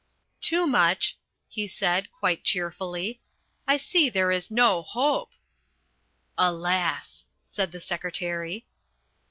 "Toomuch," he said, quite cheerfully, "I see there is no hope." "Alas!" said the secretary.